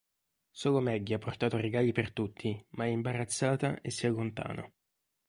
Solo Maggie ha portato regali per tutti ma è imbarazzata e si allontana.